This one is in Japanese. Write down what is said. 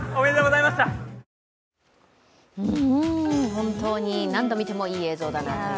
本当に何度見てもいい映像だなという。